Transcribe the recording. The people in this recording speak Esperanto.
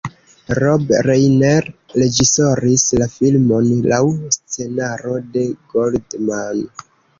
Rob Reiner reĝisoris la filmon laŭ scenaro de Goldman.